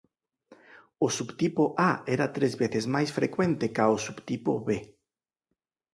O subtipo A era tres veces máis frecuente ca o subtipo B.